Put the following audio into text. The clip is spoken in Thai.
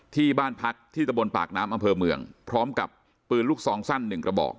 ที่บ้านพักที่ตะบนปากน้ำอำเภอเมืองพร้อมกับปืนลูกซองสั้นหนึ่งกระบอก